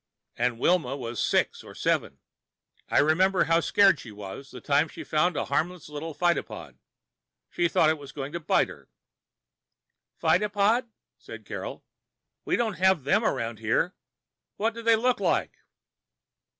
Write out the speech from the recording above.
And Wilma must be six or seven. I remember how scared she was that time she found a harmless little phytopod. She thought it was going to bite her." "Phytopod?" said Carol. "We don't have them around here. What do they look like?"